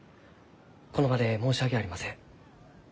この場で申し訳ありません。